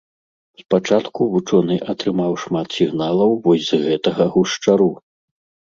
Спачатку вучоны атрымаў шмат сігналаў вось з гэтага гушчару.